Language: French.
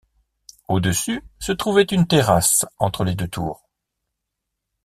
Au-dessus, se trouvait une terrasse entre les deux tours.